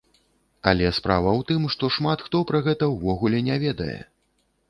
Але справа ў тым, што шмат хто пра гэта ўвогуле не ведае.